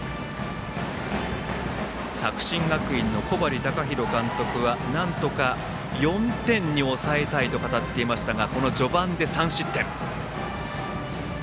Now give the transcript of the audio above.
作新学院の小針崇宏監督はなんとか４点に抑えたいと語っていましたが序盤で３失点。